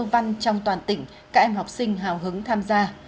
văn trong toàn tỉnh các em học sinh hào hứng tham gia